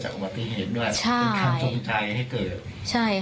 จากอุปสรรพีเหตุด้วยใช่คำจุดปุ๊บใจให้เกิด